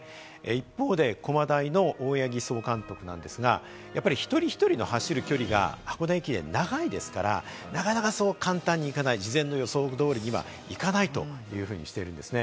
一方で、駒大の大八木総監督ですが、やっぱり一人一人の走る距離が箱根駅伝、長いですから、なかなかそう簡単にはいかない、事前の予想通りにはいかないとしているんですね。